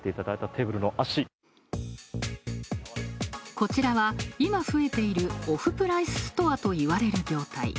こちらは、今増えているオフプライスストアといわれる業態。